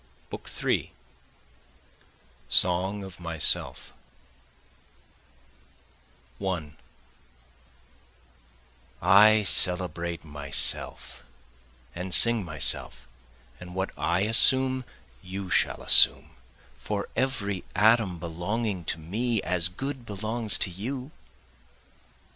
BOOK III Song of Myself 1 I celebrate myself, and sing myself, And what I assume you shall assume, For every atom belonging to me as good belongs to you.